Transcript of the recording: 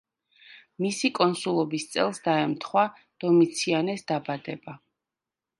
მისი კონსულობის წელს დაემთხვა დომიციანეს დაბადება.